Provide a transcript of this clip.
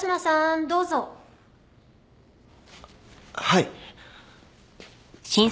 はい。